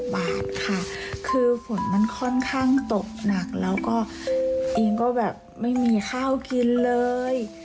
บาทค่ะคือฝนมันค่อนข้างตกหนักแล้วก็เองก็แบบไม่มีข้าวกินเลย